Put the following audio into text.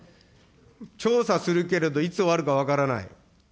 調査するけれど、いつ終わるか分からない。